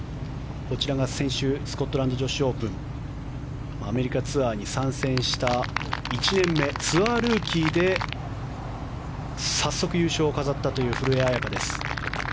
こちらが先週スコットランド女子オープンアメリカツアーに参戦した１年目ツアールーキーで早速優勝を飾った古江彩佳です。